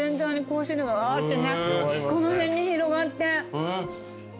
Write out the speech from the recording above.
この辺に広がって。